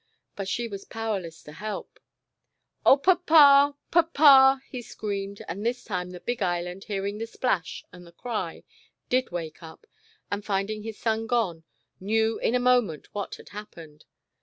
But she was powerless to help. " Oh, Papa, Papa," he screamed, and this time the big Island, hearing the splash and the cry, did wake up, and finding his son gone, knew in a moment what had happened.